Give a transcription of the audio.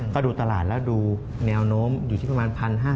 ก็ดูตลาดแล้วดูแนวโน้มอยู่ที่ประมาณ๑๕๐